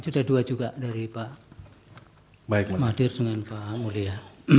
sudah dua juga dari pak madir dengan pak mulia